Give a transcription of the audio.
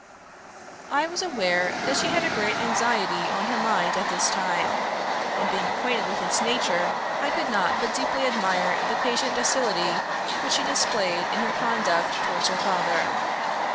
I was aware that she had a great anxiety on her mind at this time; and being acquainted with its nature, I could not but deeply admire the patient docility which she displayed in her conduct towards her father.